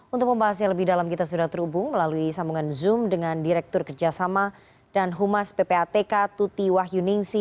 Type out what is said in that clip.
untuk pembahas yang lebih dalam kita sudah terhubung melalui sambungan zoom dengan direktur kerjasama dan humas ppatk tuti wahyuningsi